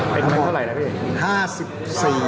มีเงินเท่าไรนะพี่